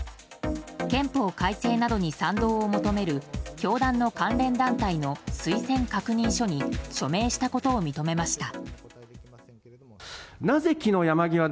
憲法改正などに賛同を求める教団の関連団体の推薦確認書に署名したことを認めました。